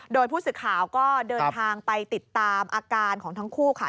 โดยผู้สื่อข่าวก็เดินทางไปติดตามอาการของทั้งคู่ค่ะ